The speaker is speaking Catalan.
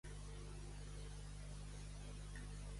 I la seva amiga, ella també?